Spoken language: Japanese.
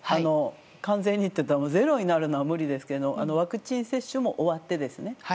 完全にというのはゼロになるのは無理ですけどワクチン接種も終わってですね